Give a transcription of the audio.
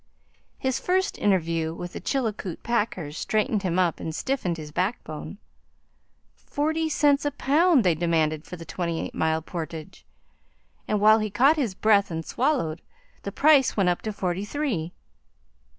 His first interview with the Chilkoot packers straightened him up and stiffened his backbone. Forty cents a pound they demanded for the twenty eight mile portage, and while he caught his breath and swallowed, the price went up to forty three.